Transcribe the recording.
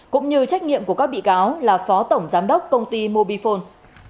cũng như trách nhiệm của các bị cáo là phó tổng giám đốc công ty mobifone